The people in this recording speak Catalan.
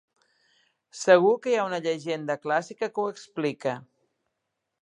Segur que hi ha una llegenda clàssica que ho explica.